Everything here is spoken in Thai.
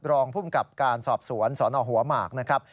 รองพุ่มกับการสอบสวนสอนอหัวหมาก